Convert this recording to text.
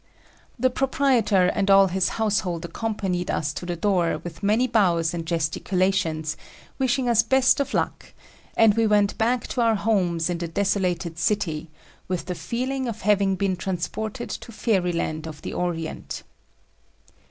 Proprietor and all his household accompanied us to the door with many bows and gesticulations, wishing us best of luck, and we went back to our homes in the desolated city with the feeling of having been transported to Fairyland of the Orient.